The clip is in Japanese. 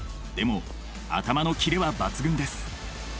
でも頭のキレは抜群です。